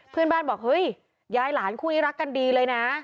เพื่อนบ้านบอกเฮ้ยยายหลานคู่นี้รักกันดีเลยนะ